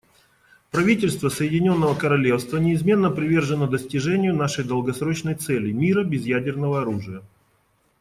Правительство Соединенного Королевства неизменно привержено достижению нашей долгосрочной цели − мира без ядерного оружия.